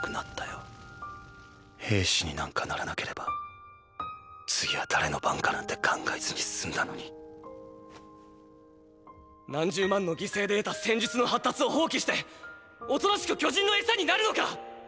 兵士になんかならなければ次は誰の番かなんて考えずに済んだのに何十万の犠牲で得た戦術の発達を放棄しておとなしく巨人のエサになるのか？